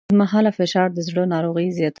اوږدمهاله فشار د زړه ناروغۍ زیاتوي.